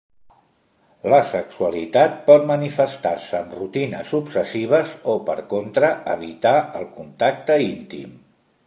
La sexualitat pot manifestar-se amb rutines obsessives o, per contra, evitar el contacte íntim.